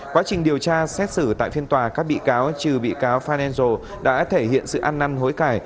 quá trình điều tra xét xử tại phiên tòa các bị cáo trừ bị cáo fannenzo đã thể hiện sự ăn năn hối cải